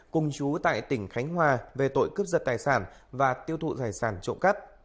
cùng chú tại tỉnh khánh hòa về tội cướp giật tài sản và tiêu thụ giải sản trộm cắt